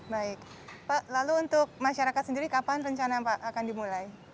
baik pak lalu untuk masyarakat sendiri kapan rencana pak akan dimulai